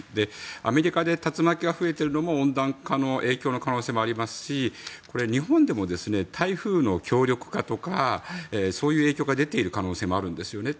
アメリカで竜巻が増えているのも温暖化の影響の可能性もありますし日本でも台風の強力化とかそういう影響が出ている可能性もあるんですよね。